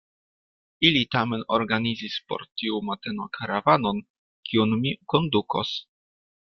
Ili tamen organizis por tiu mateno karavanon, kiun mi kondukos.